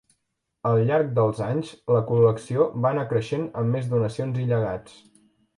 Al llarg dels anys, la col·lecció va anar creixent amb més donacions i llegats.